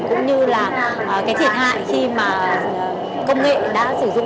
cũng như là cái thiệt hại khi mà công nghệ đã sử dụng